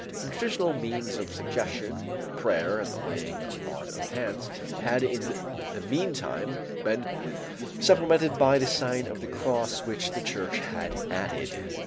The traditional means of suggestion, prayer and the laying on of hands, had in the meantime been supplemented by the sign of the cross which the church had added.